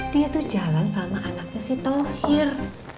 dia tuh jalan sama anaknya sih tohir